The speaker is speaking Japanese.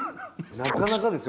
なかなかですよ。